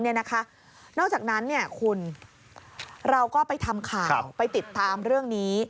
นอกจากนั้นคุณเราก็ไปทำข่าวไปติดตามเรื่องนี้